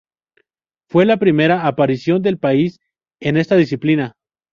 Fue la primera aparición del país en esta disciplina.